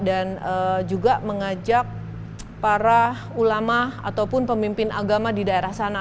dan juga mengajak para ulama ataupun pemimpin agama di daerah sana